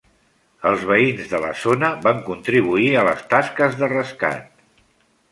Els veïns de la zona van contribuir a les tasques de rescat.